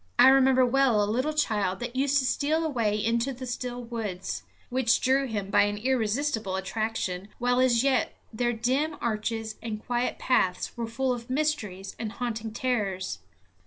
I remember well a little child that used to steal away into the still woods, which drew him by an irresistible attraction while as yet their dim arches and quiet paths were full of mysteries and haunting terrors.